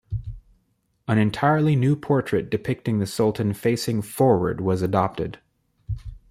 An entirely new portrait depicting the Sultan facing forward was adopted.